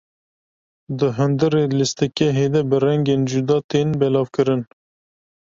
Di hundirê lîstikgehê de bi rengên cuda tên belavkirin.